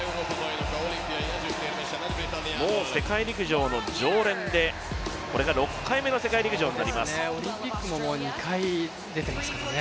もう世界陸上の常連で、これが６回目の世界陸上になりますオリンピックももう２回出ていますからね。